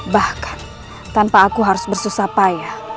bahkan tanpa aku harus bersusah payah